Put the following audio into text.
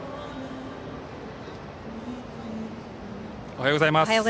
おはようございます。